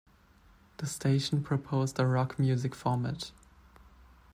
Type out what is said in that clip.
The station proposed a rock music format.